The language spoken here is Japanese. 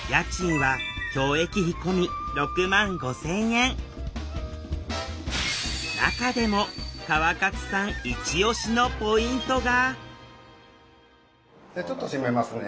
家賃は中でも川勝さんイチオシのポイントがちょっと閉めますね。